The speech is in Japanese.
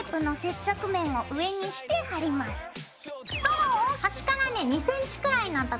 ストローを端からね２ｃｍくらいのところでカット。